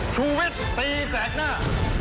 ชูเว็ดตีแสดหน้า